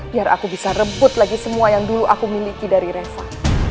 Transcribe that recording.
biar aku bisa rebut lagi semua yang dulu aku miliki dari resa